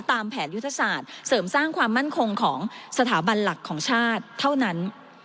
ตามแผนยุทธศาสตร์เสริมสร้างความมั่นคงของสถาบันหลักของชาติเท่านั้น